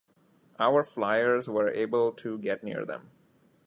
Our flyers were able to get near them.